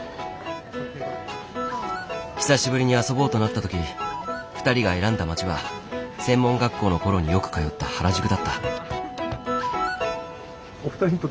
久しぶりに遊ぼうとなったとき２人が選んだ街は専門学校のころによく通った原宿だった。